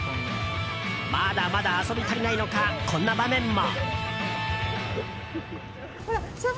まだまだ遊び足りないのかこんな場面も。